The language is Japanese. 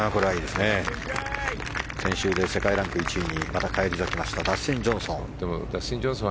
先週で世界ランク１位にまた返り咲きましたダスティン・ジョンソン。